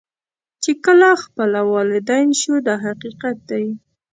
چې کله خپله والدین شو دا حقیقت دی.